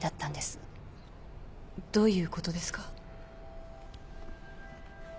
どういうことですか？